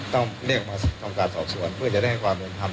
ต้องเรียกมาทำการสอบสวนเพื่อจะได้ให้ความเป็นธรรม